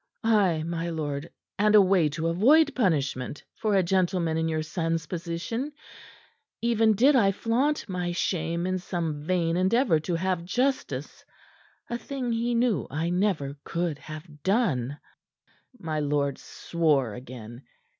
"Ay, my lord and a way to avoid punishment for a gentleman in your son's position, even did I flaunt my shame in some vain endeavor to have justice a thing he knew I never could have done." My lord swore again.